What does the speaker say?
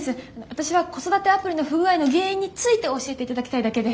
私は子育てアプリの不具合の原因について教えて頂きたいだけで。